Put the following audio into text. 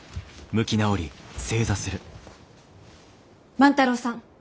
万太郎さん